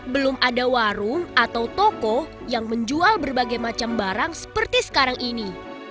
belum ada warung atau toko yang menjual berbagai macam barang seperti sekarang ini